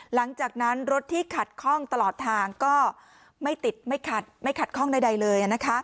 หลังจากนั้นรถที่ขัดข้องตลอดทางก็ไม่ติดไม่ขัดข้องใดเลย